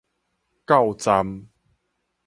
到站